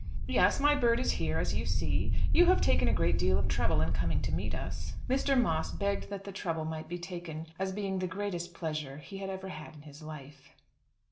"Yes, my bird is here as you see. You have taken a great deal of trouble in coming to meet us." Mr. Moss begged that the trouble might be taken as being the greatest pleasure he had ever had in his life.